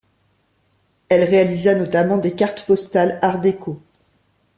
Elle réalisa notamment des cartes postales art déco.